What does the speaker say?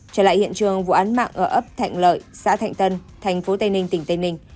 trở lại hiện trường vụ án mạng ở ấp thạnh lợi xã thạnh tân thành phố tây ninh tỉnh tây ninh